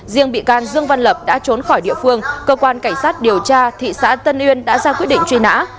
riêng bị can dương văn lập đã trốn khỏi địa phương cơ quan cảnh sát điều tra thị xã tân uyên đã ra quyết định truy nã